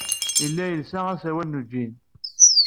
Yella yelsa aserwal n ujean.